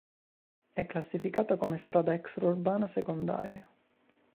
È classificata come strada extraurbana secondaria.